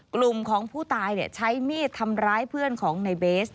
กลุ่มของผู้ตายใช้มีดทำร้ายเพื่อนของในเบส